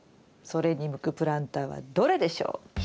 それに向くプランターはどれでしょう？